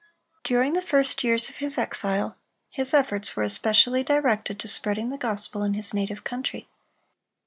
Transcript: During the first years of his exile, his efforts were especially directed to spreading the gospel in his native country.